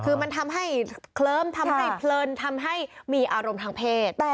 คือมันทำให้เคลิ้มทำให้เพลินทำให้มีอารมณ์ทางเพศ